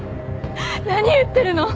何言ってるの？